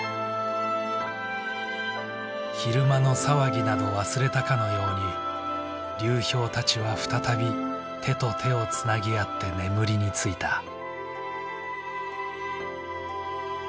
昼間の騒ぎなど忘れたかのように流氷たちは再び手と手をつなぎ合って眠りについた。